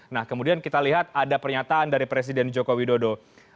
nah kemudian kita lihat ada pernyataan dari presiden joko widodo